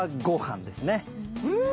うん！